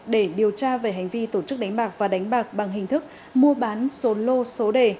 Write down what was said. để điều tra về hành vi tổ chức đánh bạc và đánh bạc bằng hình thức mua bán số lô số đề